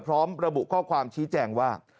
พร้อมระบุข้อความชี้แจงว่า